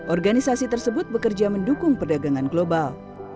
organisasi tersebut bekerja mendukung perdagangan global